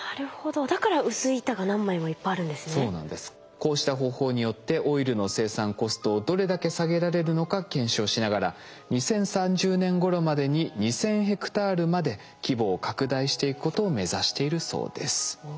こうした方法によってオイルの生産コストをどれだけ下げられるのか検証しながら２０３０年ごろまでに２，０００ヘクタールまで規模を拡大していくことを目指しているそうです。